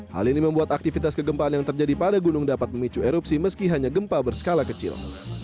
hal ini membuat aktivitas kegempaan yang terjadi pada gunung dapat memicu erupsi meski hanya gempa berskala kecil